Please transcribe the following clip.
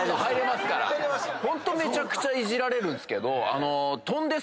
ホントめちゃくちゃいじられるんすけど。